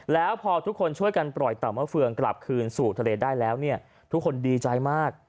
แล้วพอทุกคนช่วยกันปล่อยเต่ามะเฟืองกลับคืนสู่ทะเลได้แล้วเนี่ยทุกคนดีใจมาก